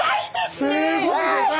すっごい！